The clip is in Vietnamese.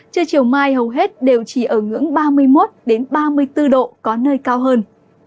trưa chiều mai hầu hết đều chỉ ở ngưỡng ba mươi một ba mươi bốn độ có nơi cao hơn